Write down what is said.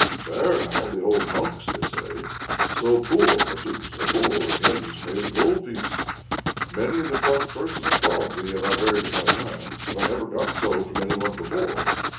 "There now, the old hunks!" they say. "So poor, forsooth, so poor! And yet he's paid a gold piece. Many a defunct person of quality have I buried in my time, but I never got so from anyone before."